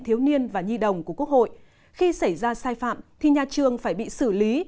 thiếu niên và nhi đồng của quốc hội khi xảy ra sai phạm thì nhà trường phải bị xử lý